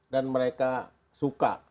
dan mereka suka